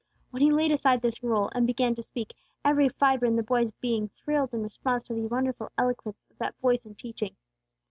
When He laid aside the roll, and began to speak, every fibre in the boy's being thrilled in response to the wonderful eloquence of that voice and teaching.